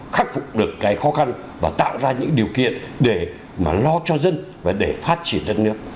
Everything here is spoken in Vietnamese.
khắc phục được cái khó khăn và tạo ra những điều kiện để mà lo cho dân và để phát triển đất nước